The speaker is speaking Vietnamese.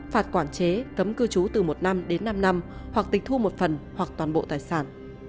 phạt quản chế cấm cư trú từ một năm đến năm năm hoặc tịch thu một phần hoặc toàn bộ tài sản